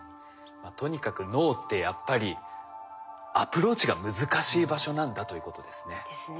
とにかく脳ってやっぱりアプローチが難しい場所なんだということですね。ですね。